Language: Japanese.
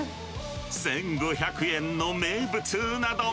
１５００円の名物うな丼。